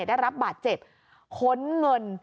ได้รับบาดเจ็บค้นเงิน